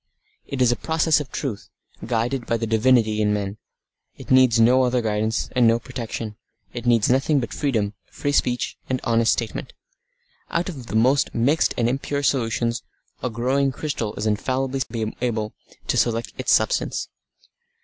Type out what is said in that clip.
It is a process of truth, guided by the divinity in men. It needs no other guidance, and no protection. It needs nothing but freedom, free speech, and honest statement. Out of the most mixed and impure solutions a growing crystal is infallibly able to select its substance.